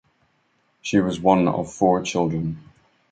She was one of four children.